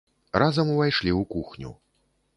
Разам увайшлі ў кухню.